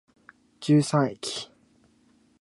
十三駅